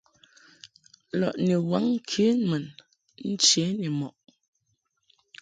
Lɔʼ ni waŋ ŋkenmun nche ni mɔʼ.